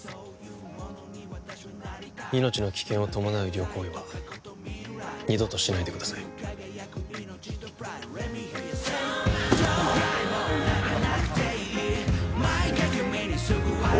命の危険を伴う医療行為は二度としないでくださいおお